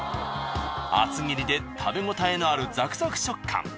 厚切りで食べ応えのあるザクザク食感。